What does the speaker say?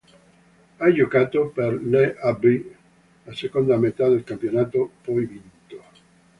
Ha giocato, per l'AaB, la seconda metà del campionato, poi vinto.